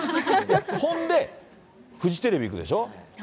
ほんで、フジテレビ行くでしょう。